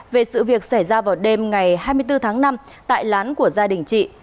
về sự việc xảy ra vào đêm ngày hai mươi bốn tháng năm tại lán của gia đình chị